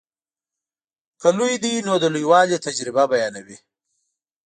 که لوی دی نو د لویوالي تجربه بیانوي.